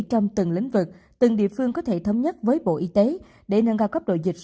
trong từng lĩnh vực từng địa phương có thể thống nhất với bộ y tế để nâng cao cấp độ dịch